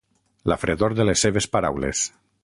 La fredor de les seves paraules.